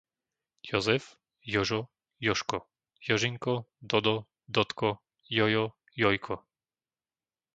Jozef, Jožo, Jožko, Jožinko, Dodo, Dodko, Jojo, Jojko